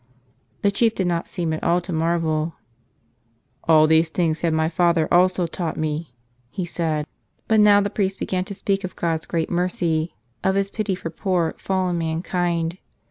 The chief did not seem at all to marvel. "All these things have my fathers also taught me," he said. 47 "Tell Us Another!" But now the priest began to speak of God's great mercy, of His pity for poor, fallen mankind.